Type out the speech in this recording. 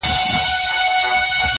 شکوڼ که حلال دئ، رنگ ئې د مردار دئ.